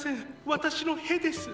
私の屁です。